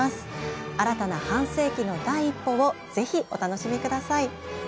新たな半世紀の第一歩を是非お楽しみ下さい。